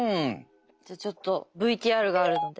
じゃあちょっとＶＴＲがあるので。